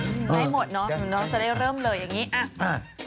ได้หมดเนาะจะได้เริ่มเลยอย่างนี้อ่ะ